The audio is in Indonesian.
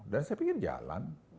dan saya pikir jalan